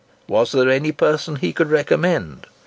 Was there any person he could recommend?